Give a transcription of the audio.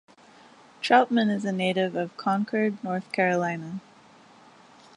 Troutman is a native of Concord, North Carolina.